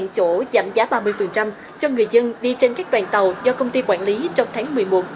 chỗ giảm giá ba mươi cho người dân đi trên các đoàn tàu do công ty quản lý trong tháng một mươi một